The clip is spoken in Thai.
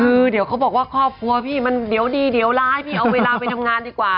คือเดี๋ยวเขาบอกว่าครอบครัวพี่มันเดี๋ยวดีเดี๋ยวร้ายพี่เอาเวลาไปทำงานดีกว่า